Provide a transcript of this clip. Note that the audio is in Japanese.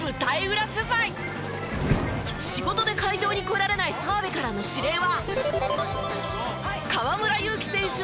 仕事で会場に来られない澤部からの指令は。